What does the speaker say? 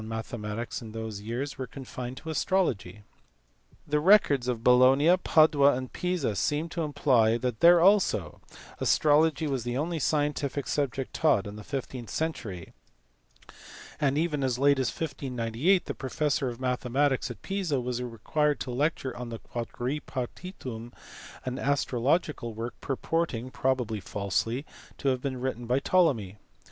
mathematics in those years were confined to astrology. The records of Bologna, Padua, and Pisa seem to imply that there also astrology was the only scientific subject taught in the fifteenth century, and even as late as 1598 the professor of mathematics at Pisa was required to lecture on the Quadripartitum, an astrological work purporting (probably falsely) to have been written by Ptolemy.